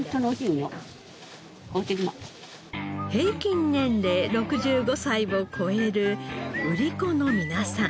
平均年齢６５歳を超える売り子の皆さん。